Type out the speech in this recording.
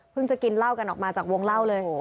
จะกินเหล้ากันออกมาจากวงเล่าเลย